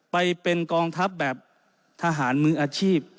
ไปเป็นกองทัพแบบทหารมืออาชีพ